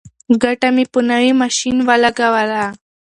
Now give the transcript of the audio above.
ګټه مې په نوي ماشین ولګوله.